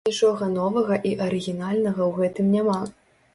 Нічога новага і арыгінальнага ў гэтым няма.